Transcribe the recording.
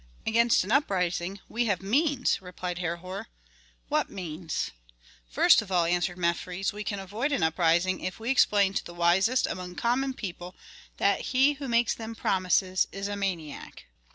"Against an uprising we have means," replied Herhor. "What means?" "First of all," answered Mefres, "we can avoid an uprising if we explain to the wisest among common people that he who makes them promises is a maniac."